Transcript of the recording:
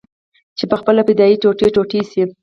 چې پخپله فدايي ټوټې ټوټې سي.